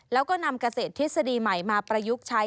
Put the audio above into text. แล้วก็นำเกษตรทฤษฎีใหม่มาประยุกต์ใช้